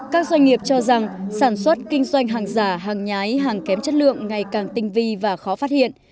các doanh nghiệp cho rằng sản xuất kinh doanh hàng giả hàng nhái hàng kém chất lượng ngày càng tinh vi và khó phát hiện